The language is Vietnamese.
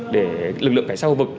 để lực lượng phải sau vực